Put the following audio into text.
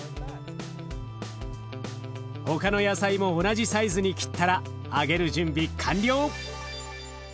他の野菜も同じサイズに切ったら揚げる準備完了。